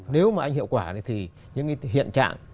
nếu mà anh hiệu quả thì những hiện trạng